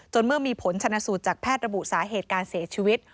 เมื่อมีผลชนะสูตรจากแพทย์ระบุสาเหตุการเสียชีวิต